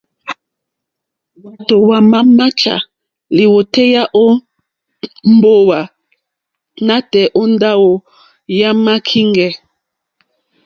Hwátò hwámà máchá lìwòtéyá ó mbówà nǎtɛ̀ɛ̀ ó ndáwò yàmá kíŋgɛ̀.